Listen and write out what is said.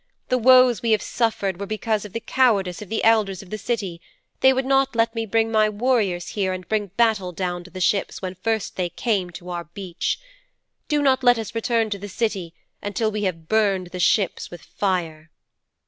The woes we have suffered were because of the cowardice of the elders of the City they would not let me bring my warriors here and bring battle down to the ships when first they came to our beach. Do not let us return to the City until we have burned the ships with fire."'